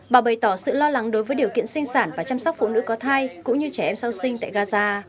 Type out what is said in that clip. bà bày tỏ sự lo lắng đối với điều kiện sinh sản và chăm sóc phụ nữ có thai cũng như trẻ em sau sinh tại gaza